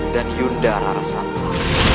dan yunda larasanta